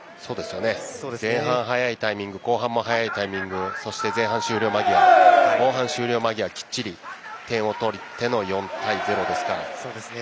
前半、早いタイミング後半も早いタイミングそして、前半終了間際後半終了間際きっちり点を取っての４対０ですから。